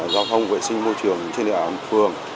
giao thông vệ sinh môi trường trên địa bàn phường